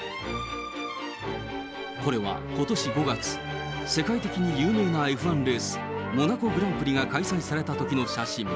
これはことし５月、世界的に有名なＦ１レース、モナコ・グランプリが開催されたときの写真。